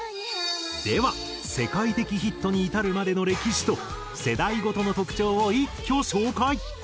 では世界的ヒットに至るまでの歴史と世代ごとの特徴を一挙紹介。